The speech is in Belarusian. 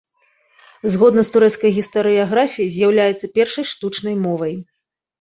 Згодна з турэцкай гістарыяграфіяй, з'яўляецца першай штучнай мовай.